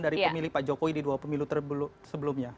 dari pemilih pak jokowi di dua pemilu sebelumnya